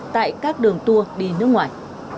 tại các đường tour đi nước ngoài